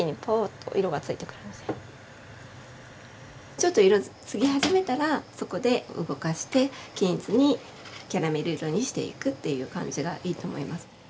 ちょっと色つき始めたらそこで動かして均一にキャラメル色にしていくっていう感じがいいと思います。